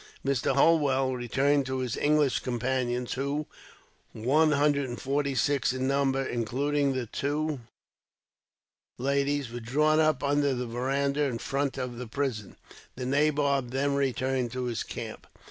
Mr. Holwell returned to his English companions, who, one hundred and forty six in number, including the two ladies, were drawn up under the veranda in front of the prison. The nabob then returned to his camp.